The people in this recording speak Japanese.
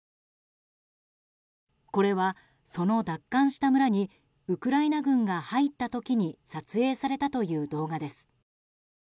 これは、その奪還した村にウクライナ軍が入った時に撮影されたという動画です。